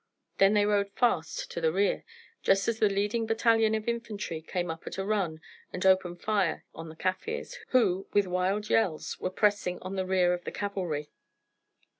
Then they rode fast to the rear, just as the leading battalion of infantry came up at a run and opened fire on the Kaffirs, who, with wild yells, were pressing on the rear of the cavalry.